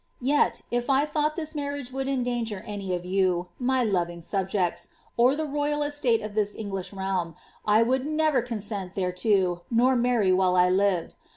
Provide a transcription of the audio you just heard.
Yet, if I thought this marriage would endanger any of you, my loving subjects, or tlie royal estate of this English realm, I would never consent thereto, nor marry while I lived.